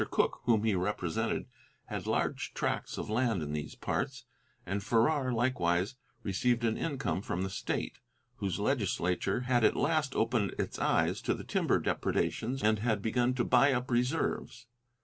Cooke, whom he represented, had large tracts of land in these parts, and Farrar likewise received an income from the state, whose legislature had at last opened its eyes to the timber depredations and had begun to buy up reserves.